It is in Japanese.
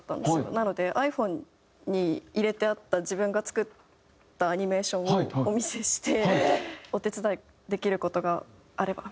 なのでｉＰｈｏｎｅに入れてあった自分が作ったアニメーションをお見せして「お手伝いできる事があれば」みたいな。